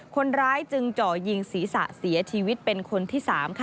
คนร้ายจึงเจาะยิงศีรษะเสียชีวิตเป็นคนที่๓ค่ะ